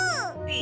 え？